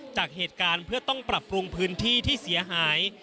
จากเหตุการณ์เพื่อต้องปรับปรุงพื้นที่ที่เสียหาย